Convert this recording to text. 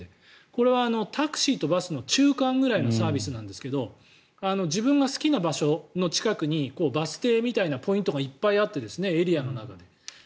これはタクシーとバスの中間ぐらいのサービスですが自分が好きな場所の近くにバス停みたいなポイントがいっぱいあってエリアの中で。